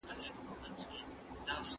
د لويې جرګي وروستۍ پايلي څوک اعلانوي؟